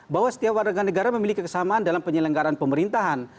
bahwa setiap warga negara memiliki kesamaan dalam penyelenggaran pemerintahan